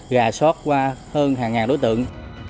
gà xót qua hơn hàng ngàn đối tượng